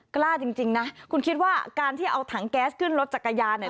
กล้าจริงนะคุณคิดว่าการที่เอาถังแก๊สขึ้นรถจักรยานเนี่ย